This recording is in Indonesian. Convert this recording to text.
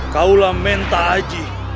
kaulah menta aji